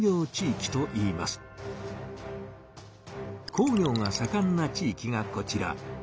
工業がさかんな地域がこちら。